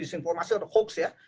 misinformasi atau hoax ya